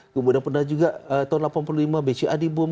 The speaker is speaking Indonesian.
kemudian pernah juga tahun delapan puluh lima bca di bom